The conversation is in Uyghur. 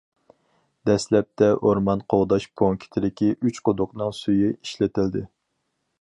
دەسلەپتە، ئورمان قوغداش پونكىتىدىكى ئۈچ قۇدۇقنىڭ سۈيى ئىشلىتىلدى.